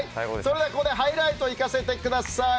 ここでハイライトを行かせてください。